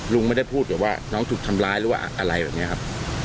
ลุงไม่ได้พูดกับว่าน้องถูกทำร้ายหรือว่าอะไรแบบนี้ครับ